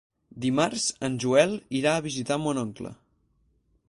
Dimarts en Joel irà a visitar mon oncle.